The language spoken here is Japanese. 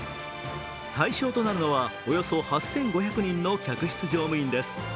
対象となるのは、およそ８５００人の客室乗務員です。